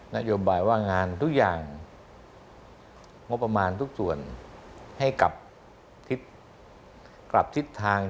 นโยบายว่างานทุกอย่างงบประมาณทุกส่วนให้กับทิศกลับทิศทาง